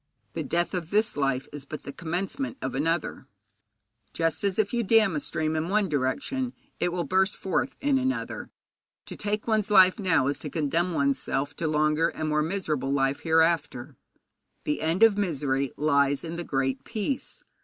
The death of this life is but the commencement of another, just as, if you dam a stream in one direction, it will burst forth in another. To take one's life now is to condemn one's self to longer and more miserable life hereafter. The end of misery lies in the Great Peace.